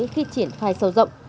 khi triển khai sâu rộng